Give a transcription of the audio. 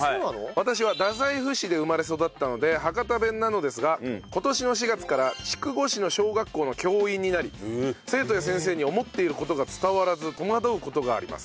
私は太宰府市で生まれ育ったので博多弁なのですが今年の４月から筑後市の小学校の教員になり生徒や先生に思っている事が伝わらず戸惑う事があります。